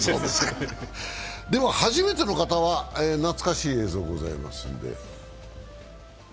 初めての方は懐かしい映像ございますので。